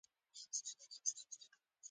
بادرنګ د غاښونو صفا کولو کې مرسته کوي.